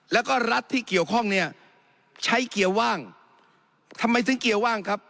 แล้วก็รัฐที่เกี่ยวข้องเนี่ยใช้เกียร์ว่างทำไมถึงเกียร์ว่างครับ